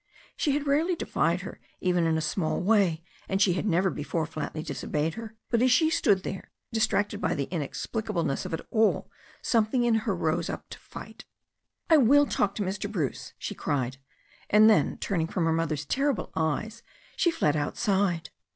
She had rarely defied her even in a small way, and she had never before flatly disobeyed her, but as she stood there distracted by the inexplicableness of it all, something in her rose up to fight. "I will talk to Mr. Bruce,*' she cried, and then, turning from her mother's terrible eyes, she fled outside.